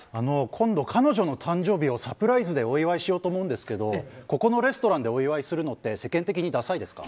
今度、彼女の誕生日をサプライズでお祝いしようと思ってるんですけどここのレストランでお祝いするのって世間的にダサいですか？